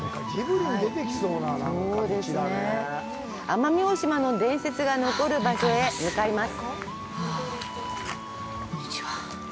奄美大島の伝説が残る場所へ向かいます。